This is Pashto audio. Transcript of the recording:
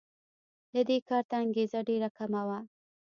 د دې کار ته انګېزه ډېره کمه وه.